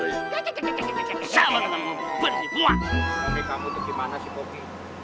mami kamu tuh gimana sih popi